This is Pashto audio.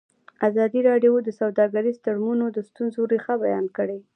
ازادي راډیو د سوداګریز تړونونه د ستونزو رېښه بیان کړې.